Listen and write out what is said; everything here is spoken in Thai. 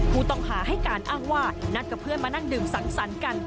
ผู้ต้องหาให้การอ้างว่านัดกับเพื่อนมานั่งดื่มสังสรรค์กัน